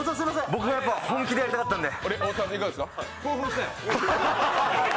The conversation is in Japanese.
僕がやっぱ本気でやりたかったんで。